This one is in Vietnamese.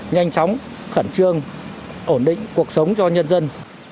nhanh chóng khẩn trương ổn định cuộc sống cho nhân dân